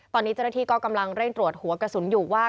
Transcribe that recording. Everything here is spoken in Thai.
ตอนนี้เจ้าหน้าที่ก็กำลังเร่งตรวจหัวกระสุนอยู่ว่า